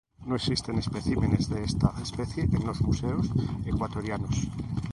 No existen especímenes de esta especie en los museos ecuatorianos.